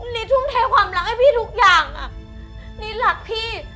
นิดทุ่มเทความรักให้พี่ทุกอย่างอ่ะนิดรักพี่